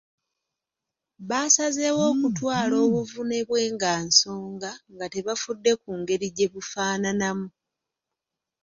Baasazeewo okutwala obuvune bwe nga nsonga nga tebafudde ku ngeri gye bufaananamu.